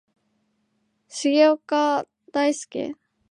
重岡大毅